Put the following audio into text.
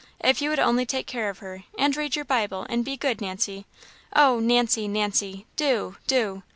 If you would only take care of her, and read your Bible, and be good, Nancy oh, Nancy, Nancy! do, do!"